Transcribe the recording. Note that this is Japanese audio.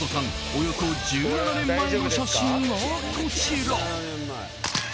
およそ１７年前の写真がこちら。